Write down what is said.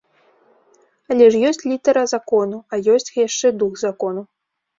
Але ж ёсць літара закону, а ёсць яшчэ дух закону.